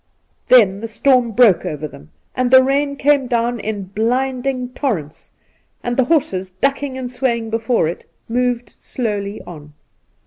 Then the storm broke over them, and the rain came down in blinding torrents, and the horses, ducking and swaying before it, moved slowly on.